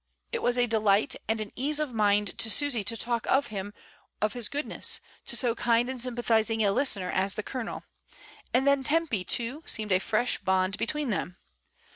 It was a delight and an ease of mind to Susy to talk of him, of his goodness, to so kind and S3rm pathising a listener as the Colonel; and then Tempy, too, seemed a fresh bond between them.